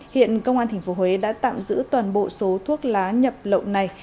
hiện công an tp huế đã tạm giữ toàn bộ số thuốc lá nhập lậu này